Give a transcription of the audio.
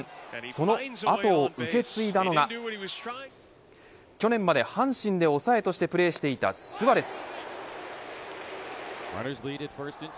その後を受け継いだのが去年まで阪神で抑えとしてプレーしていたスアレス。